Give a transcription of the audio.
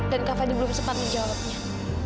dan kak fadil belum sempat menjawabnya